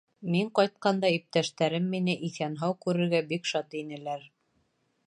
Мин ҡайтҡанда, иптәштәрем мине иҫән-һау күрергә бик шат инеләр.